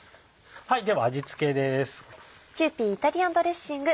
では味付けです。